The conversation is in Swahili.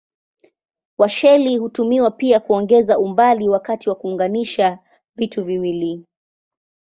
Washeli hutumiwa pia kuongeza umbali wakati wa kuunganisha vitu viwili.